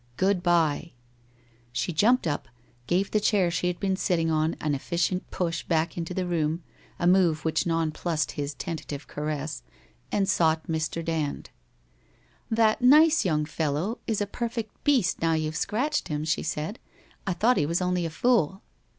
Good bye.' She jumped up, gave the chair she had been sitting on an efficient push back into the room, a move which non plussed his tentative caress, and sought Mr. Dand. ' That " nice " young fellow is a perfect beast, now you've scratched him,' she said. ' I thought he was only a fool.'